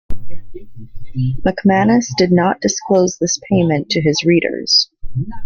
McManus did not disclose this payment to his readers.